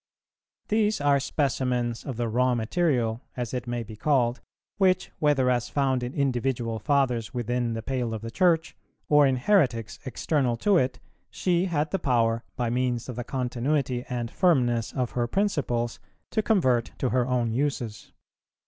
These are specimens of the raw material, as it may be called, which, whether as found in individual Fathers within the pale of the Church, or in heretics external to it, she had the power, by means of the continuity and firmness of her principles, to convert to her own uses.